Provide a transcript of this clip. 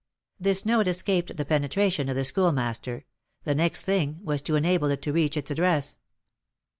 This note escaped the penetration of the Schoolmaster; the next thing was to enable it to reach its address.